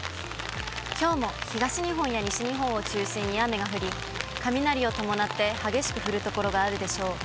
きょうも東日本や西日本を中心に雨が降り、雷を伴って激しく降る所があるでしょう。